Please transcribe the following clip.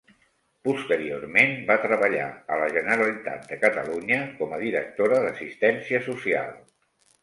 Posteriorment, va treballar a la Generalitat de Catalunya com a directora d'Assistència Social.